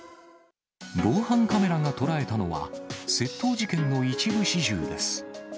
防犯カメラが捉えたのは、窃盗事件の一部始終です。